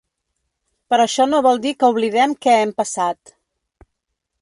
Però això no vol dir que oblidem què hem passat